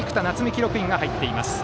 記録員が入っています。